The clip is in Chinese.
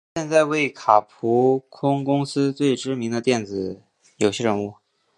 现在为卡普空公司最知名的电子游戏人物。